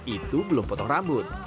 itu belum potong rambut